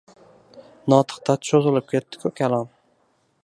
Notiqda cho‘zilib ketdi-ku kalom.